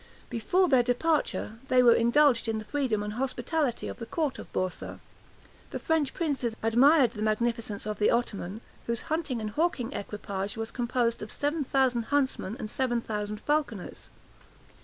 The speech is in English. Before their departure, they were indulged in the freedom and hospitality of the court of Boursa. The French princes admired the magnificence of the Ottoman, whose hunting and hawking equipage was composed of seven thousand huntsmen and seven thousand falconers.